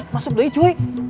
masuk lagi cuy